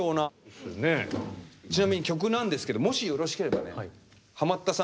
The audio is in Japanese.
ちなみに曲なんですけどもしよろしければねハマったさん